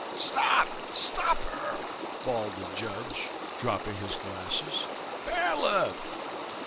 "Stop, stop her!" bawled the judge, dropping his glasses. "Bailiff!"